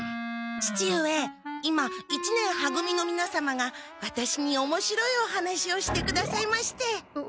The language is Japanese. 父上今一年は組のみなさまがワタシにおもしろいお話をしてくださいまして。